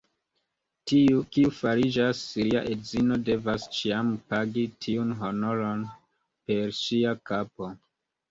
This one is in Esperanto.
Tiu, kiu fariĝas lia edzino, devas ĉiam pagi tiun honoron per ŝia kapo.